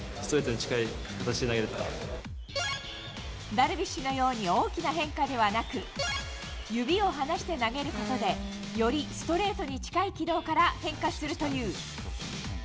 ダルビッシュのように大きな変化ではなく指を離して投げることでよりストレートに近い軌道から変化するという。